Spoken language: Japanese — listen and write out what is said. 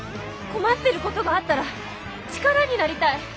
困ってることがあったら力になりたい。